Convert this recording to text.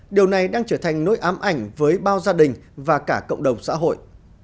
điều này đang trở thành nỗi ám ảnh với bao gia đình và cả cộng đồng xã hội